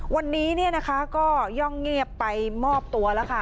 วันนี้ก็ย่องเงียบไปมอบตัวแล้วค่ะ